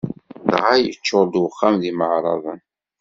Dɣa yeččuṛ-d uxxam d imeɛraḍen.